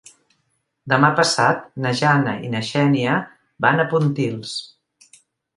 Demà passat na Jana i na Xènia van a Pontils.